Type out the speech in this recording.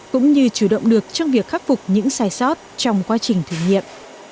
cũng như chủ động được trong việc khắc phục những sai sót trong quá trình thử nghiệm